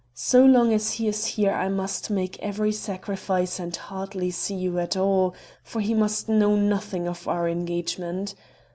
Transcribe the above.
So long as he is here I must make every sacrifice and hardly see you at all, for he must know nothing of our engagement.